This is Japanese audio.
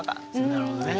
なるほどね。